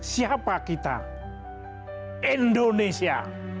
siapa kita indonesia